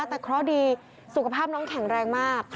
แต่เคราะห์ดีสุขภาพน้องแข็งแรงมาก